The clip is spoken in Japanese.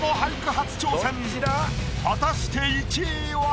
初挑戦果たして１位は？